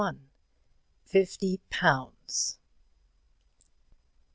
FIFTY POUNDS.